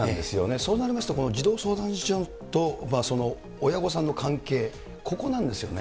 そうなりますと、児童相談所とその親御さんの関係、ここなんですよね。